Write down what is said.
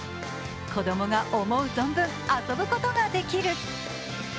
子供が思う存分遊ぶことができる。